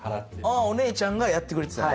お姉ちゃんがやってくれてたんだ。